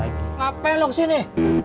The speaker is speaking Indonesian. ngapain lu kesini